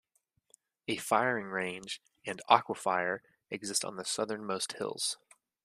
A firing range and aquifer exist on the southernmost hills.